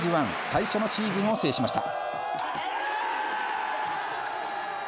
最初のシーズンを制しました。